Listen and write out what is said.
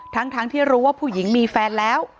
ทั้งที่รู้ว่าผู้หญิงมีแฟนแล้ว